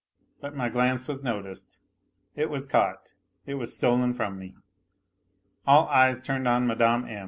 But my glance was noticed, it was caught, it was stolen from me. All eyes turned on Mme. M..